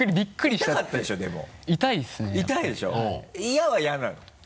嫌は嫌なの？